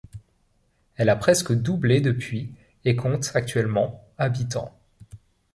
Elle a presque doublé depuis et compte actuellement habitants.